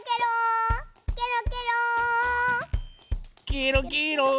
ケロケロー！